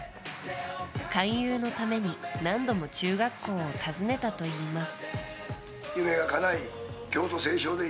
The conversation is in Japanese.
勧誘のために何度も中学校を訪ねたといいます。